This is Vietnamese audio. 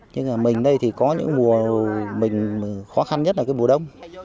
nhưng mà mình đây thì có những mùa mình khó khăn nhất là cái mùa đông